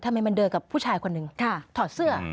ทำไมมันเดินกับผู้ชายคนหนึ่งถอดเสื้อ